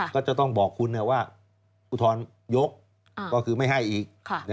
ก็จะต้องบอกคุณว่าอุทธรณยกก็คือไม่ให้อีก